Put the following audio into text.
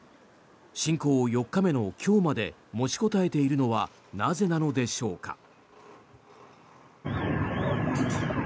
侵攻４日目の今日まで持ちこたえているのはなぜなのでしょうか。